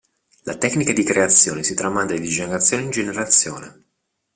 La tecnica di creazione si tramanda di generazione in generazione.